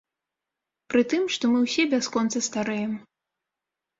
Пры тым, што мы ўсе бясконца старэем.